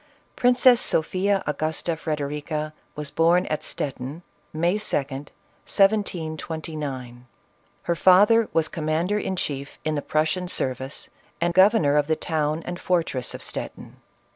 Princess Sophia Agusta Frederica was born at Stet tin, May 2d. 1729. Her father was commander in chief in the Prussian service, and governor of the town and fortress of Stettin.